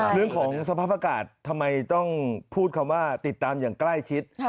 เรื่องของสภาพอากาศทำไมต้องพูดคำว่าติดตามอย่างใกล้ชิด